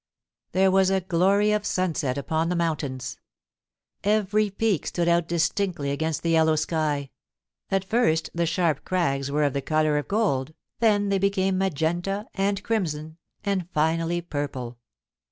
There was a glory of sunset upon the mountains. Every peak stood out distinctly against the yellow sky. At first the sharp crags were of the colour of gold, then they became magenta and crimson, and finally purple.